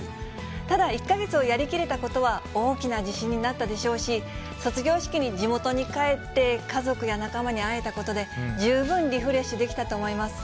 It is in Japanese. ただ、１か月をやり切れたことは大きな自信になったでしょうし、卒業式に地元に帰って、家族や仲間に会えたことで、十分リフレッシュできたと思います。